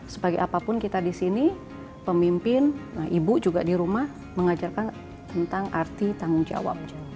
sebagai apapun kita di sini pemimpin ibu juga di rumah mengajarkan tentang arti tanggung jawab